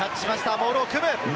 モールを組む。